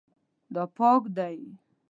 دا پاک دی